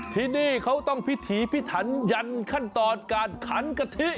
ที่นี่เขาต้องพิถีพิถันยันขั้นตอนการขันกะทิ